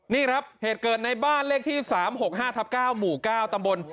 นี่ครับเหตุเกิดในบ้านเลขที่๓๖๕ทับ๙หมู่๙ตำบล